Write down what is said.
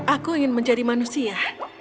aku ingin menjadi manusia